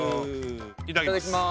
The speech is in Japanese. いただきまーす。